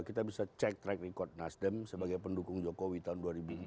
kita bisa cek track record nasdem sebagai pendukung jokowi tahun dua ribu empat belas